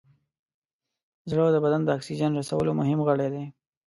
زړه د بدن د اکسیجن رسولو مهم غړی دی.